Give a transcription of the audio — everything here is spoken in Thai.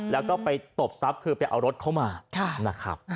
แล้วก็ไปตบทรัพย์คือไปเอารถเข้ามานะครับ